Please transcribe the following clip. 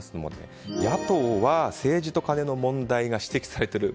野党は政治とカネの問題が指摘されている。